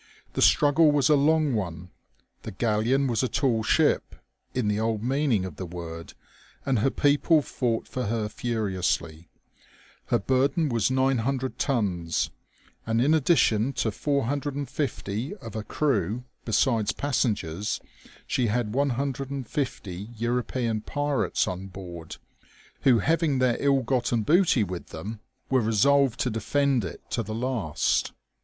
The struggle was a long one. The galleon was a tall ship, in the old meaning of the word, and her people fought for her furiously. Her burden was 900 tons, and in addition to 450 of a crew, besides passengers, she had 150 European pirates on board, who, having their ill gotten booty with them, 196 OLD SHIPS. were resolved to defend it to the last.